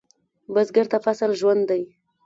بزګر ته فصل ژوند دی